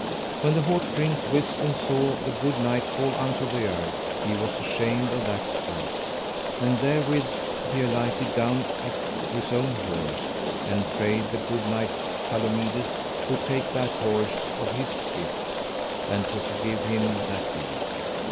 When the haut prince wist and saw the good knight fall unto the earth he was ashamed of that stroke. And therewith he alighted down off his own horse, and prayed the good knight, Palomides, to take that horse of his gift, and to forgive him that deed.